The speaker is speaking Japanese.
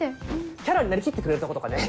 キャラになりきってくれるとことかね。